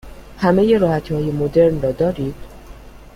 همه راحتی های مدرن را دارید؟